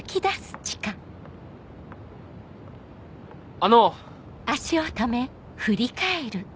あの！